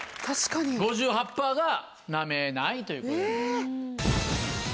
５８％がなめないということで。